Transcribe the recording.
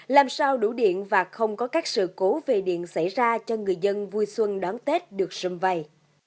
làm sao đủ điện và không có các sự cố về điện xảy ra cho người dân vui xuân đón tết được xuân vầy